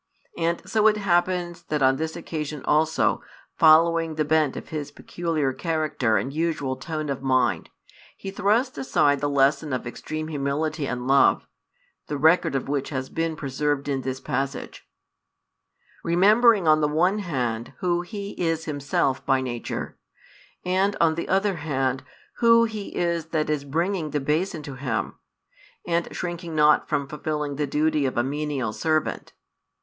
And so it happens that on this occasion also, following the bent of his peculiar character and usual tone of mind, he thrusts aside the lesson of extreme humility and love, the record of which has been preserved in this passage, remembering on the one hand who he is himself by nature, and on the other hand Who He is that is bringing the bason to him, and shrinking not from fulfilling the duty of a menial servant.